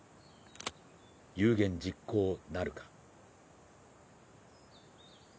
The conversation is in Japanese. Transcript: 有言実行なるか。